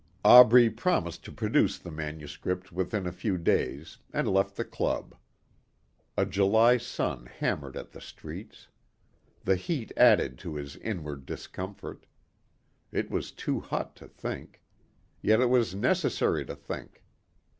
Aubrey promised to produce the manuscript within a few days and left the club. A July sun hammered at the streets. The heat added to his inward discomfort. It was too hot to think. Yet it was necessary to think.